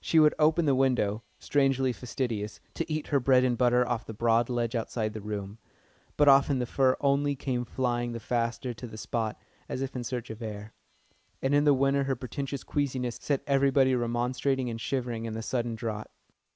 She would open the window strangely fastidious to eat her bread and butter off the broad ledge outside the room, but often the fur only came flying the faster to the spot, as if in search of air; and in the winter her pretentious queasiness set everybody remonstrating and shivering in the sudden draught.